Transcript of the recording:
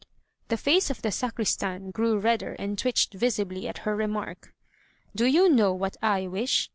The face of the sacristan grew redder and twitched visibly at her remark. "Do you know what I wish?"